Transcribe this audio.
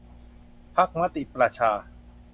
พรรคมติประชา